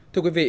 thưa quý vị